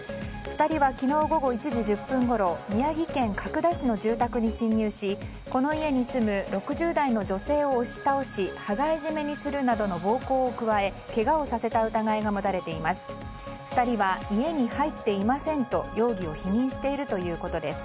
２人は昨日午後１時１０分ごろ宮城県角田市の住宅に侵入しこの家に住む６０代の女性を押し倒し羽交い締めにするなどの暴行を加え、けがをさせた疑いが持たれています。